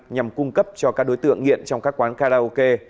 nhằm cung cấp cho các đối tượng nghiện trong các quán karaoke